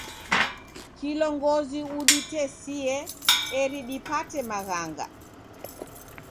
Kilongozi uditesie eri dipate maghanga.